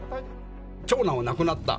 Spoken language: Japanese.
長男は亡くなった。